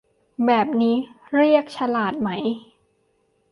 แบบนี้เรียกฉลาดไหม